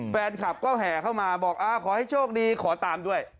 แฟนคลับก็แห่เข้ามาบอกขอให้โชคดีขอตามด้วย